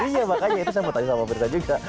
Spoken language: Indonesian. iya makanya itu saya mau tanya sama berita juga